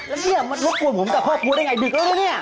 แล้วนี่มันลดกวนผมกับพ่อครัวได้ไงดึกแล้วเนี่ย